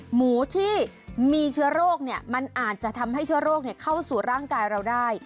หมูที่มีเชื้อโรคมันอาจจะทำให้เชื้อโรคเข้าสู่ร่างกายเราได้